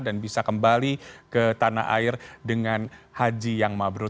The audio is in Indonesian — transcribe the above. dan bisa kembali ke tanah air dengan haji yang mabruk